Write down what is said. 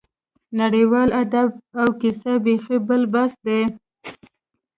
نړیوال ادب او کیسه بېخي بل بحث دی.